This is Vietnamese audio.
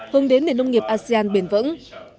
hướng đến nền nông nghiệp asean bền vững